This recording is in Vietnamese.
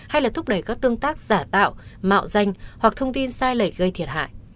hay là thúc đẩy các tương tác giả tạo mạo danh hoặc thông tin sai lệch gây thiệt hại